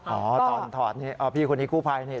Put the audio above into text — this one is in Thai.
อ๋อตอนถอดนี่พี่คนนี้กู้ภัยนี่